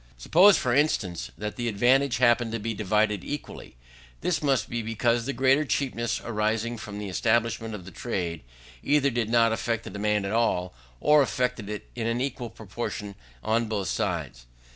Suppose, for instance, that the advantage happened to be divided equally: this must be because the greater cheapness arising from the establishment of the trade, either did not affect the demand at all, or affected it in an equal proportion on both sides.